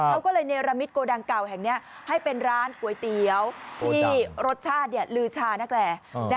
เขาก็เลยเนรมิตโกดังเก่าแห่งนี้ให้เป็นร้านก๋วยเตี๋ยวที่รสชาติลือชานักแหล